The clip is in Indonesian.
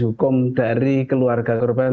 hukum dari keluarga korban